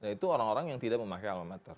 itu orang orang yang tidak memakai alma mater